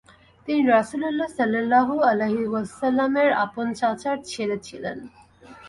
তিনি রাসূলুল্লাহ সাল্লাল্লাহু আলাইহি ওয়াসাল্লামের আপন চাচার ছেলে ছিলেন।